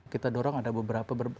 kita dorong ada beberapa